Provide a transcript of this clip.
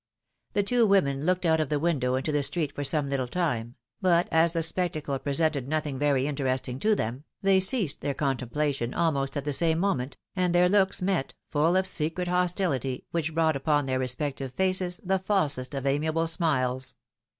The two women looked out of the window into the street for some little time ; but as the spectacle presented nothing very interesting to them, they ceased their con PHILOMfeNE^S MARRIAGES. 293 templation almost at the same moment, and their looks met, full of secret hostility, which brought upon their respective faces the falsest of amiable smiles.